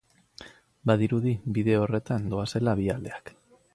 Badirudi bide horretan doazela bi aldeak.